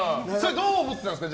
どう思ってたんですか？